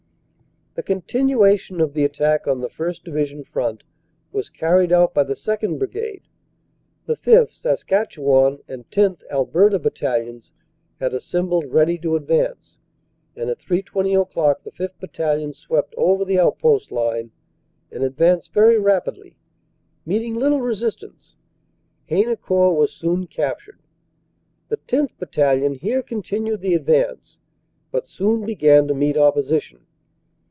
"The continuation of the attack on the 1st. Division front was carried out by the 2nd. Brigade. The 5th., Saskatchewan, and 10th., Alberta, Battalions had assembled ready to advance, and at 3.20 o clock the 5th. Battalion swept over the outpost line and advanced very rapidly, meeting little resistance. Haynecourt was soon captured. The 10th. Battalion here con tinued the advance, but soon began to meet opposition.